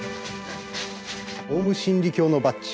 オウム真理教のバッジ